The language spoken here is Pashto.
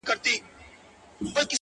• نو زه له تاسره؛